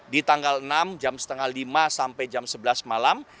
di tanggal enam jam setengah lima sampai jam sebelas malam